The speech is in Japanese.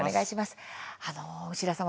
牛田さん